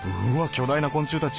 巨大な昆虫たち！